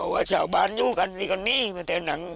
ให้เจ้าบานอยู่กันอยู่ดีกว่านี้